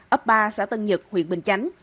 ấp ba xã tân nhật huyện bình chánh